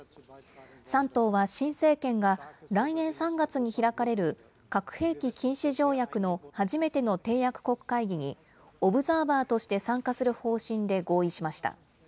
３党は新政権が来年３月に開かれる核兵器禁止条約の初めての締約国会議にオブザーバーとして参加する方針で合意しました。